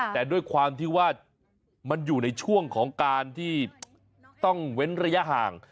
แต่ด้วยความที่ว่ามันอยู่ในช่วงของการที่ต้องเว้นระยะห่าง